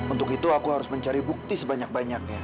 untuk itu aku harus mencari bukti sebanyak banyaknya